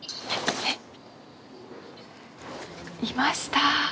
いました。